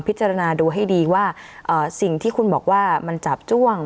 พิจารณาดูให้ดีว่าสิ่งที่คุณบอกว่ามันจาบจ้วง